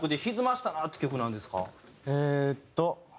えーっと。